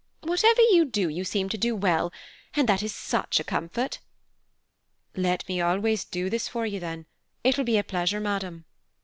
Whatever you do you seem to do well, and that is such a comfort." "Let me always do this for you, then. It will be a pleasure, madam."